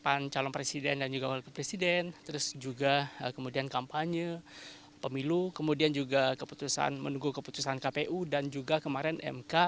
penetapan calon presiden dan juga wakil presiden terus juga kemudian kampanye pemilu kemudian juga keputusan menunggu keputusan kpu dan juga kemarin mk